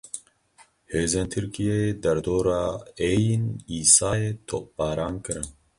Hêzên Tirkiyeyê derdora Êyn Îsayê topbaran kirin.